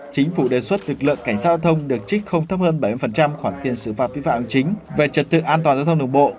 chính phủ đề xuất lực lượng cảnh sát giao thông được trích không thấp hơn bảy khoản tiền xử phạt vi phạm chính về trật tự an toàn giao thông đường bộ